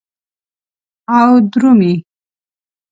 او درومې